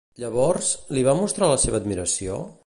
Llavors, li va mostrar la seva admiració?